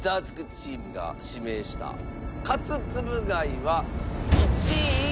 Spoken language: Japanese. チームが指名した活つぶ貝は１位。